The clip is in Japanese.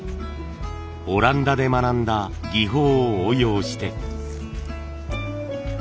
オランダで学んだ技法を応用して。